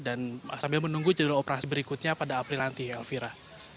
dan sambil menunggu jadwal operasi berikutnya pada april nanti elvira